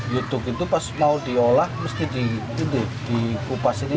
yutuk itu pas mau diolah mesti dikupas ini